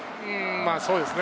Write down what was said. そうですね。